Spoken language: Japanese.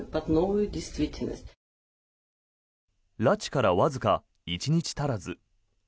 拉致からわずか１日足らず。